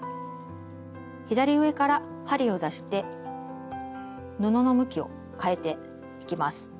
左上から針を出して布の向きを変えていきます。